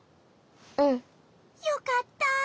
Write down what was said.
うん。よかった。